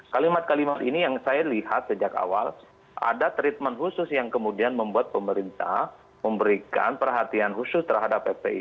kalimat kalimat ini yang saya lihat sejak awal ada treatment khusus yang kemudian membuat pemerintah memberikan perhatian khusus terhadap fpi